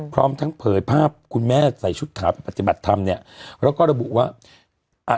พร้อมทั้งเผยภาพคุณแม่ใส่ชุดขาปฏิบัติธรรมเนี่ยแล้วก็ระบุว่าอ่ะ